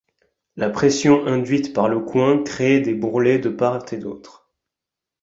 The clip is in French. La pression induite par le coin crée des bourrelets de part et d'autre.